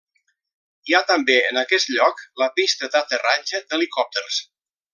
Hi ha també en aquest lloc la pista d'aterratge d'helicòpters.